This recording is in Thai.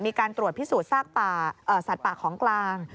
มีการตรวจพิสูจน์ซากสัตว์ป่าของกลาง